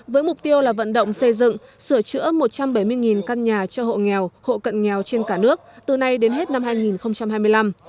với mục tiêu là vận động xây dựng sửa chữa một trăm bảy mươi căn nhà cho hộ nghèo hộ cận nghèo trên cả nước từ nay đến hết năm hai nghìn hai mươi năm